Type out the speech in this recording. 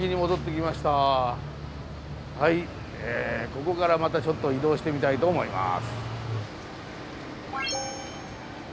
ここからまたちょっと移動してみたいと思います。